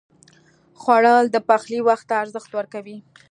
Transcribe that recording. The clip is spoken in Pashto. خوړل د پخلي وخت ته ارزښت ورکوي